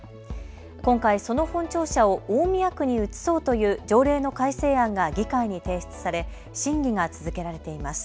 今回その本庁舎を大宮区に移そうという条例の改正案が議会に提出され審議が続けられています。